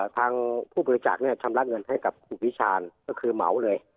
ทางผู้บริจาคเนี่ยชำระเงินให้กับคุณพิชาญก็คือเหมาเลย